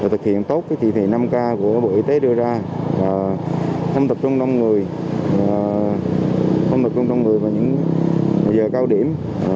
thực hiện tốt thị thị năm k của bộ y tế đưa ra không tập trung đông người vào những giờ cao điểm